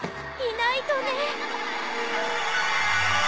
いないとね。